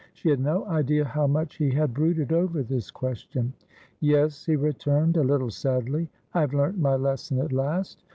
She had no idea how much he had brooded over this question. "Yes," he returned, a little sadly, "I have learnt my lesson at last.